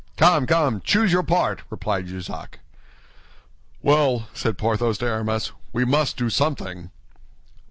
"Come, come, choose your part," replied Jussac. "Well," said Porthos to Aramis, "we must do something."